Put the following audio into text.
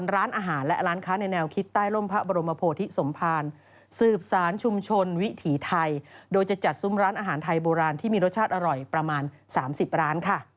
ร้านอาหารไทยโบราณที่มีรสชาติอร่อยประมาณ๓๐ร้านค่ะ